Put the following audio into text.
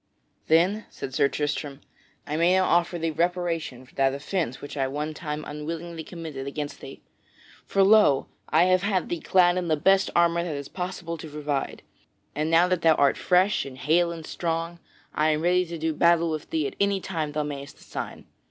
"Then," said Sir Tristram, "I may now offer thee reparation for that offence which I one time unwillingly committed against thee. For lo! I have had thee clad in the best armor that it is possible to provide, and now that thou art fresh and hale and strong, I am ready to do battle with thee at any time thou mayst assign.